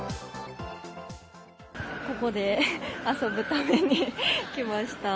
ここで遊ぶために来ました。